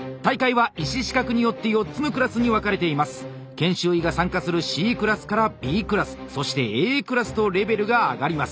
研修医が参加するＣクラスからＢクラスそしてＡクラスとレベルが上がります。